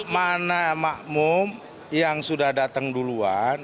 mana makmum yang sudah datang duluan